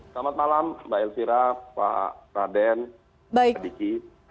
selamat malam mbak elvira pak raden pak diki